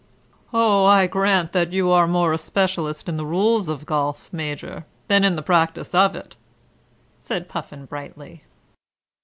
"Oh, I grant you that you are more a specialist in the rules of golf, Major, than in the practice of it," said Puffin brightly.